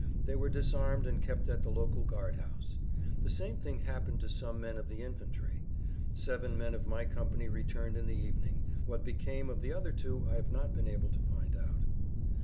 They were disarmed and kept at the local guard house; the same thing happened to some men of the infantry. Seven men of my company returned in the evening; what became of the other two I have not been able to find out.